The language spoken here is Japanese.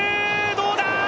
どうだ？